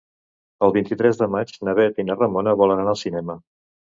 El vint-i-tres de maig na Bet i na Ramona volen anar al cinema.